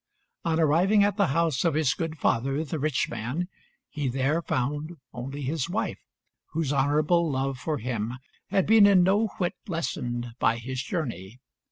On arriving at the house of his good father, the rich man, he there found only his wife, whose honourable love for him had been in no whit lessened by his journey.